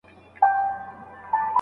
نور عوامل هم باید په اقتصاد کي وګورئ.